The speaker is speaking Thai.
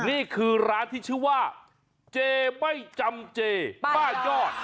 นี่คือร้านที่ชื่อว่าเจไม่จำเจป้ายอด